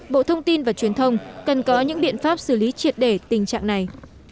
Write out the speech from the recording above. bộ thông tin và truyền thông cần có những biện pháp xử lý triệt để tình trạng này